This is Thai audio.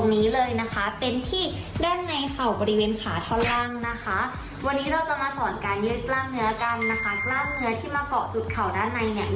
ปัญหาที่จับอะไรก็ได้ยกขาขึ้นแล้วก็ยืดโน้มตัวไปทางด้านหน้า